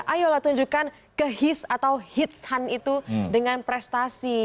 ayolah tunjukkan ke his atau hits han itu dengan prestasi